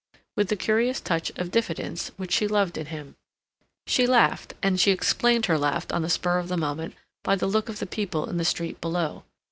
with the curious touch of diffidence which she loved in him. She laughed, and she explained her laugh on the spur of the moment by the look of the people in the street below.